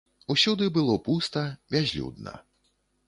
Усюды было пуста, бязлюдна.